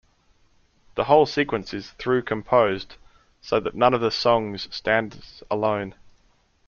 The whole sequence is through-composed, so that none of the songs stands alone.